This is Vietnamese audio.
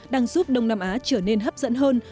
đang giúp đông nam á trở nên hấp dẫn hơn